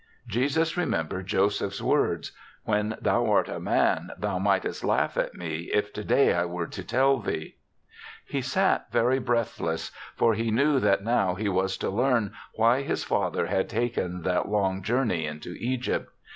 Jesus remembered Joseph's words, " When thou art a man thou might est laugh at me if today I were to tell thee." He sat very breathless, 22 THE SEVENTH CHRISTMAS for he knew that now he was to learn why his father had taken that long journey into Egypt.